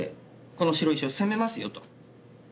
この白石を攻めますよと。